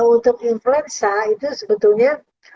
untuk influenza itu sebetulnya